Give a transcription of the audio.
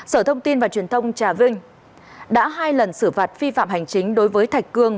sở thông tin và truyền thông trà vinh đã hai lần xử phạt vi phạm hành chính đối với thạch cương